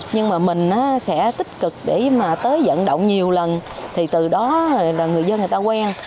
nhưng mà mình sẽ tích cực để mà tới dẫn động nhiều lần thì từ đó người dân người ta quen